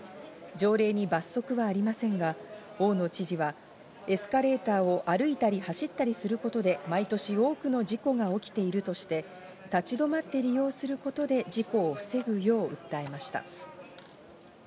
条例に罰則はありませんが、大野知事はエスカレーターを歩いたり走ったりすることで、毎年多くの事故が起きているとして、立ち止まって利用することで事故を防ぐよう訴えました。